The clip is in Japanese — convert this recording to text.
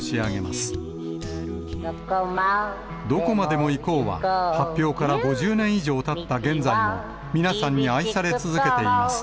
どこまでも行こうは、発表から５０年以上たった現在も、皆さんに愛され続けています。